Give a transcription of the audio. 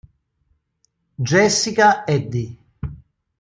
Jessica Eddie